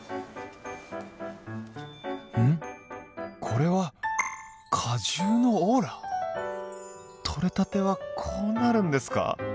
これは果汁のオーラ？取れたてはこうなるんですか！